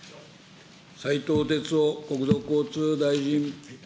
斉藤鉄夫国土交通大臣。